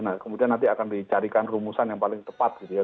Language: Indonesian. nah kemudian nanti akan dicarikan rumusan yang paling tepat gitu ya